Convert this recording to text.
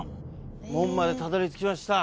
門までたどりつきました。